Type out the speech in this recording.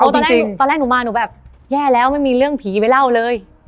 ตอนแรกตอนแรกหนูมาหนูแบบแย่แล้วไม่มีเรื่องผีไปเล่าเลย